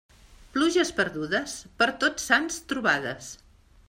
Pluges perdudes, per Tots Sants trobades.